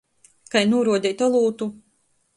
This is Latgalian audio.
Kai nūruodeit olūtu?